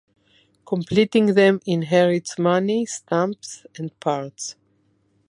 Completing them inherits money, stamps and parts.